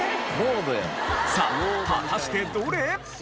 さあ果たしてどれ？